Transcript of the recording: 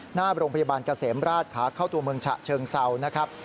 หน้าโรงพยาบาลเกษมราชขาเข้าตัวเมืองฉะเชิงเซานะครับ